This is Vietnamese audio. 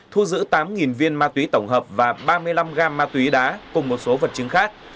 thu giữ tám viên ma túy tổng hợp và ba mươi năm gam ma túy đá cùng một số vật chứng khác